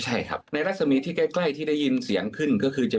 ใช่ครับในรัศมีที่ใกล้ที่ได้ยินเสียงขึ้นก็คือจะ